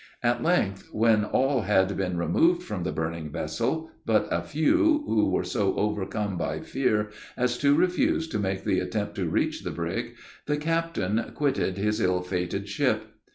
At length, when all had been removed from the burning vessel, but a few, who were so overcome by fear as to refuse to make the attempt to reach the brig, the captain quitted his ill fated ship.